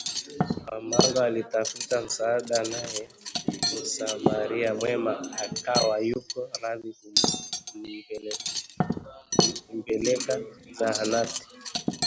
mamangu alitafuta msaada naye msamaria mwema akawa yuko radhi kumpeleka zahanatini